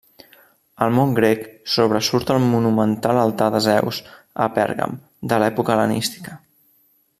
Al món grec sobresurt el monumental Altar de Zeus a Pèrgam, d'època hel·lenística.